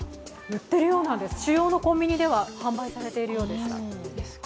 売ってるようなんです、主要なコンビニでは販売されているようなんです。